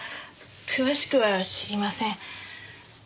詳しくは知りません。